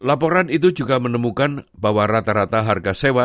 laporan itu juga menemukan bahwa rata rata harga sewa